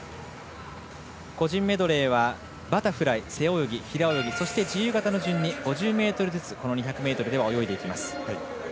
個人メドレーはバタフライ、背泳ぎ平泳ぎ、自由形の順に５０ｍずつこの２００ｍでは泳いでいきます。